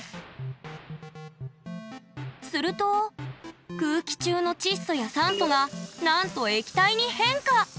すると空気中の窒素や酸素がなんと液体に変化！